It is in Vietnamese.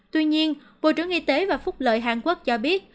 tuy nhiên bộ trưởng y tế và phúc lợi hàn quốc cho biết